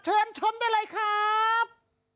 เชิญชมได้เลยครับ